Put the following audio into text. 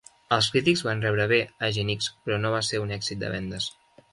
Els crítics van rebre bé a "Agent X", però no va ser un èxit de vendes.